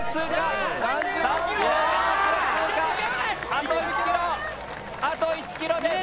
あと１ｋｍあと１ｋｍです。